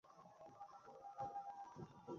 কিন্তু তুমি আমার জীবনে আসার পর সবকিছু বদলে গেছে।